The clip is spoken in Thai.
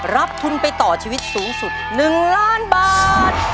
รับทุนไปต่อชีวิตสูงสุด๑ล้านบาท